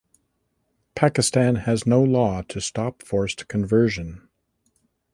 Pakistan has no law to stop forced conversion.